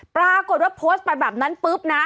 ปรากฏว่าโพสต์ไปแบบนั้นปุ๊บนะ